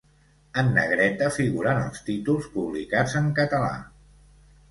En negreta figuren els títols publicats en català.